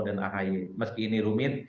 dan ahaya meski ini rumit